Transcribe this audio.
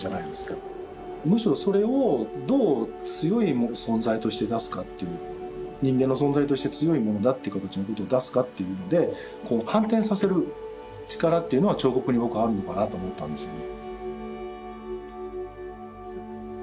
むしろそれをどう強い存在として出すかっていう人間の存在として強いものだっていう形のことを出すかっていうので反転させる力っていうのは彫刻に僕はあるのかなと思ったんですよね。